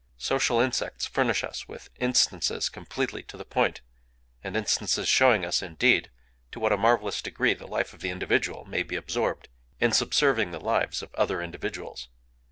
Social insects furnish us with instances completely to the point,—and instances showing us, indeed, to what a marvelous degree the life of the individual may be absorbed in subserving the lives of other individuals...